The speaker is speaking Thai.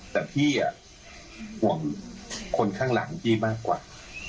แต่ผิดอย่างห่วงคนข้างหลังจีบมากกว่า